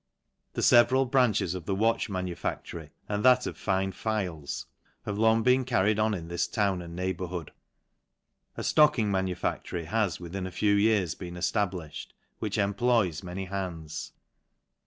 The feveral branches of the watch manufactory, rd that of fine files, have long been carried on in lis town and neighbourhood. A (locking manu c~k>ry has, within a few years, been effablifhed, hich employs many hands.